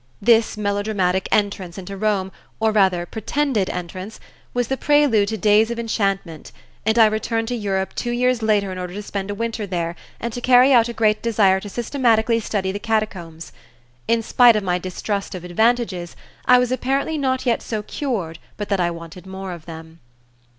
This melodramatic entrance into Rome, or rather pretended entrance, was the prelude to days of enchantment, and I returned to Europe two years later in order to spend a winter there and to carry out a great desire to systematically study the Catacombs. In spite of my distrust of "advantages" I was apparently not yet so cured but that I wanted more of them.